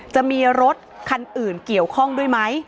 จะมีรถคันอื่นเกี่ยวข้องด้วยไหม